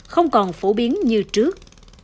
không còn phổ biến như trước